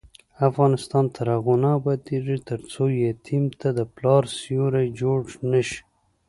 افغانستان تر هغو نه ابادیږي، ترڅو یتیم ته د پلار سیوری جوړ نشي.